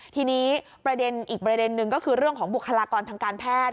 ทีนี้ประเด็นอีกประเด็นนึงก็คือเรื่องของบุคลากรทางการแพทย์